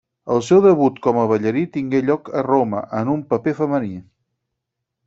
El seu debut com a ballarí tingué lloc a Roma, en un paper femení.